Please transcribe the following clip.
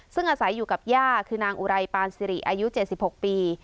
ซึ่งอาศัยอยู่กับย่าคือนางอุไรปานสิริอายุ๗๖ปี